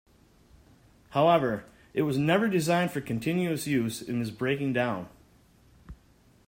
However, it was never designed for continuous use and is breaking down.